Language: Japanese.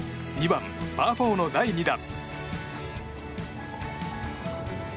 ８番、パー５の第２打。